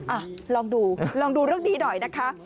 อ่ะลองดูลองดูเรื่องนี้หน่อยนะคะ